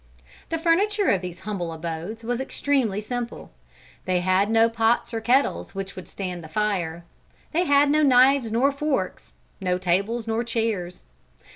The furniture of these humble abodes was extremely simple. They had no pots or kettles which would stand the fire. They had no knives nor forks; no tables nor chairs.